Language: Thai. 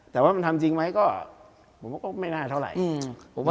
แต่ว่ามันทำจริงไหมก็ผมว่าก็ไม่น่าเท่าไหร่